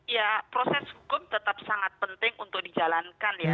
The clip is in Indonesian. ya proses hukum tetap sangat penting untuk dijalankan ya